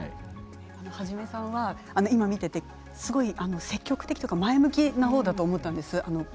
ハジメさんは今見ていてすごく積極的というか前向きな方だと思ったんです。